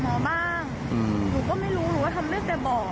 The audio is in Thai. หนูก็ไม่รู้หนูก็ทำเรื่องแบบแล้วบอก